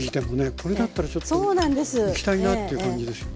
これだったらちょっといきたいなっていう感じですよね。